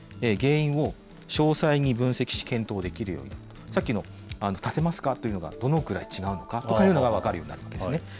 原因を詳細に分析し、検討できるように、さっきの、立てますかというのが、どのくらい違うのかとかいうのが分かるようになってるんですね。